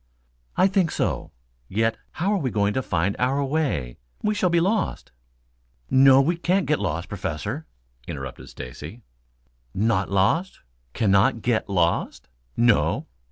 "I think so. Yet how are we going to find our way? We shall be lost." "No, we can't get lost, Professor," interrupted Stacy. "Not lost cannot get lost?" "No."